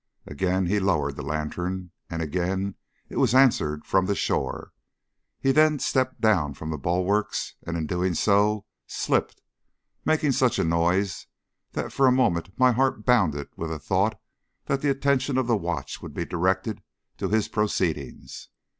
Again he lowered the lantern, and again it was answered from the shore. He then stepped down from the bulwarks, and in doing so slipped, making such a noise, that for a moment my heart bounded with the thought that the attention of the watch would be directed to his proceedings.